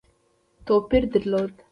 توپیر درلود.